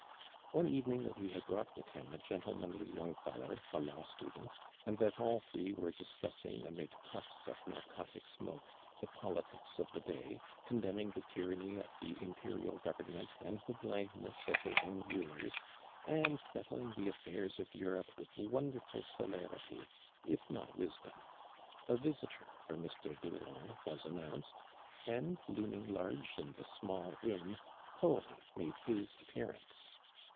One eyening that he had brought with hii^ a gentlemanly ypung fellow, a law stu de;n^) "^^^^^^^ three were discussing, amid puffs of narcotic smoke, the politics of the day, condemning the tyranny of the imperial government and the blindness of Uy^ir o\n\ rulers, and settling the affairs of piwrope with wonderful celerity, if not wis dom, a visitor for Mr. Durand was announc •4, and looming large in the small room, Paul made his appearance.